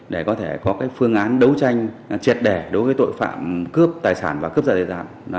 để có thể có phương án đấu tranh triệt đẻ đối với tội phạm cướp tài sản và cướp giật tài sản